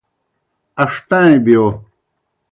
اݩݜٹائیں بِیو۔